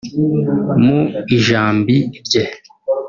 Mu ijambi rye